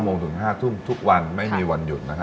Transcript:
โมงถึง๕ทุ่มทุกวันไม่มีวันหยุด